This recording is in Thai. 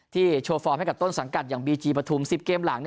โชว์ฟอร์มให้กับต้นสังกัดอย่างบีจีปฐุม๑๐เกมหลัง